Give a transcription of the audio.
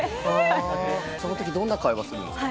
そのときどんな会話するんですか？